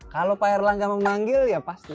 kalau pak erlangga memanggil ya pasti